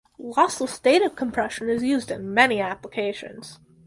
Lossless data compression is used in many applications.